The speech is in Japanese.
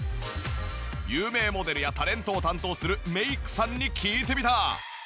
有名モデルやタレントを担当するメイクさんに聞いてみた！